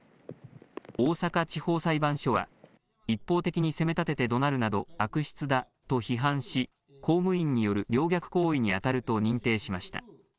大阪地方裁判所は、一方的に責めたててどなるなど、悪質だと批判し、公務員による陵虐行為に当たると認定しました。